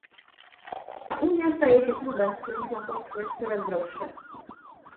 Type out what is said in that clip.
A Unia staje się klubem, w którym członkostwo jest coraz droższe